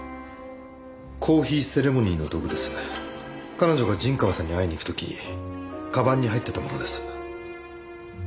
彼女が陣川さんに会いに行く時鞄に入っていたものです。